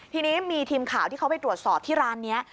ทีนี้มีทีมข่าวที่เขาไปตรวจสอบที่ร้านนี้